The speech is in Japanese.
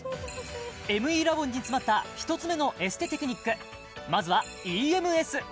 ＭＥラボンに詰まった１つ目のエステテクニックまずはＥＭＳ